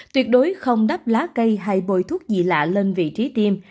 tuyệt đối không đắp lá cây hay bồi thuốc gì lạ lên vị trí tiêm